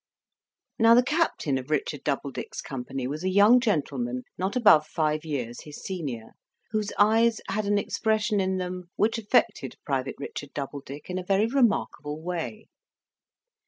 Now the Captain of Richard Doubledick's company was a young gentleman not above five years his senior, whose eyes had an expression in them which affected Private Richard Doubledick in a very remarkable way.